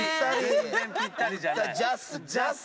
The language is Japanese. ジャスト。